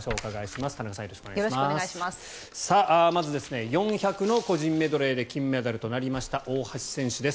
まず４００ｍの個人メドレーで金メダルとなりました大橋選手です。